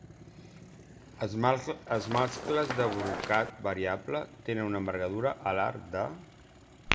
Els mascles de "brocat variable" tenen una envergadura alar de.